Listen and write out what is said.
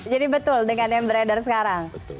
jadi betul dengan yang beredar sekarang